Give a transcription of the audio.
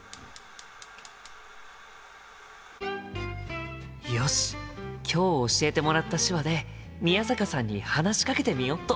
心の声よし今日教えてもらった手話で宮坂さんに話しかけてみよっと！